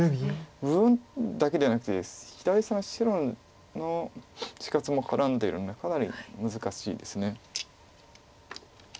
部分だけではなくて左下の白の死活も絡んでるのでかなり難しいです。